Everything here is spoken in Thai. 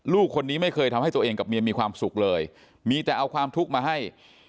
ลูกคนนี้ไม่เคยทำให้ตัวเองกับเมียมีความสุขเลยมีแต่เอาความทุกข์มาให้